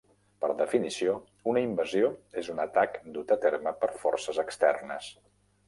Per definició, una invasió és un atac dut a terme per forces externes.